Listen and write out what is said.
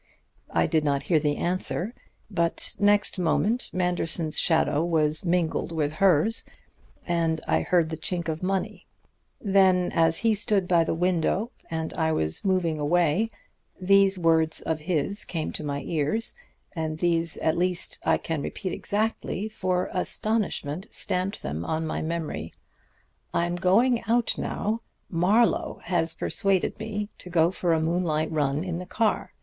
I did not hear the answer, but next moment Manderson's shadow was mingled with hers, and I heard the chink of money. Then, as he stood by the window, and as I was moving away, these words of his came to my ears and these at least I can repeat exactly, for astonishment stamped them on my memory 'I'm going out now. Marlowe has persuaded me to go for a moonlight run in the car.